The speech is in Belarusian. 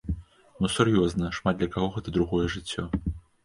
Ну сур'ёзна, шмат для каго гэта другое жыццё!